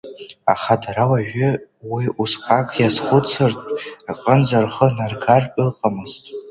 Аха дара уажәы уи усҟак иазхәыцыртә аҟынӡа рхы наргартә иҟамызт.